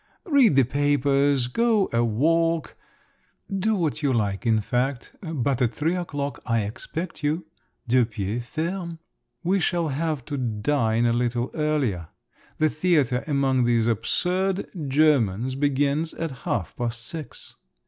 Read the papers, go a walk, do what you like, in fact. But at three o'clock I expect you … de pied ferme. We shall have to dine a little earlier. The theatre among these absurd Germans begins at half past six.